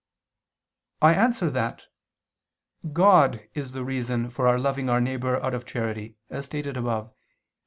I answer that, God is the reason for our loving our neighbor out of charity, as stated above (Q.